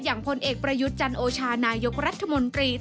อย่างผลเอกประยุทธ์จนโอชานายยกรัฐมนตรี